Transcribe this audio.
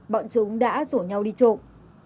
bọn chúng đã rủ nhau đi trộm